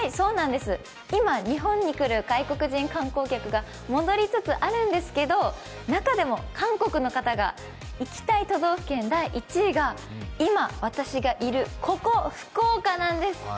今日本に来る外国人観光客が戻りつつあるんですが中でも韓国の方が行きたい都道府県第１位が今、私がいるここ、福岡なんです。